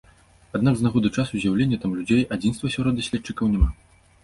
Аднак з нагоды часу з'яўлення там людзей адзінства сярод даследчыкаў няма.